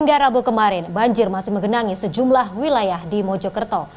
hingga rabu kemarin banjir masih menggenangi sejumlah wilayah di mojokerto